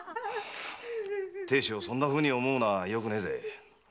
亭主をそんなふうに思うのはよくないぜ。